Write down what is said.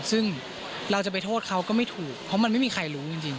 ซึ่งเราจะไปโทษเขาก็ไม่ถูกเพราะมันไม่มีใครรู้จริง